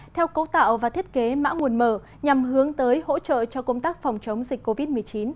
theo cấu tạo và thiết kế mã nguồn mở nhằm hướng tới hỗ trợ cho công tác phòng chống dịch covid một mươi chín